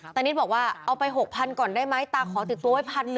นิดบอกว่าเอาไป๖๐๐๐ก่อนได้ไหมตาขอติดตัวไว้๑๐๐